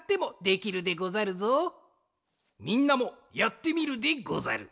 みんなもやってみるでござる。